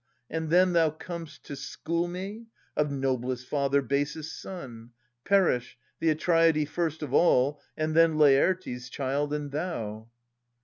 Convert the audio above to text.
And then thou com'st To school me, — of noblest father, basest son ! Perish, the Atreidae first of all, and then Laertes' child, and thou